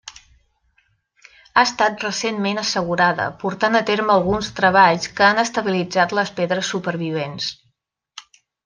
Ha estat recentment assegurada, portant a terme alguns treballs que han estabilitzat les pedres supervivents.